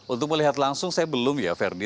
untuk melihat langsung saya belum ya verdi